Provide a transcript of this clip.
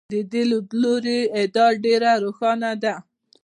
د دې لیدلوري ادعا ډېره روښانه ده.